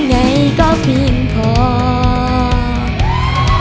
เรียกประกันแล้วยังคะ